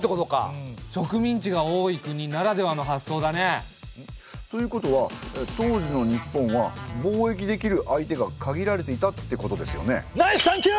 植民地が多い国ならではの発想だね。ということは当時の日本は貿易できる相手が限られていたってことですよね？